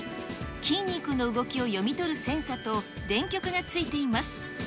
筋肉の動きを読み取るセンサと電極がついています。